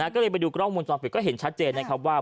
ก็เลยไปดูกล้องวงจรปิดก็เห็นชัดเจนนะครับว่า